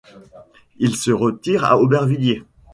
Il se retire à Aubervilliers.